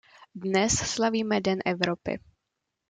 Dnes slavíme Den Evropy.